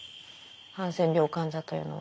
ハンセン病患者というのは。